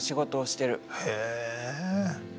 へえ。